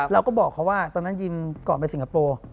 เราก็บอกเขาว่าตอนนั้นยิมก่อนไปสิงคโปร์